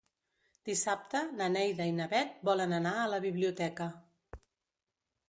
Dissabte na Neida i na Bet volen anar a la biblioteca.